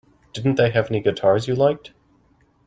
Didn't they have any guitars you liked?